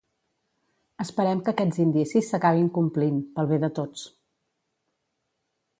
Esperem que aquests indicis s’acabin complint, pel bé de tots.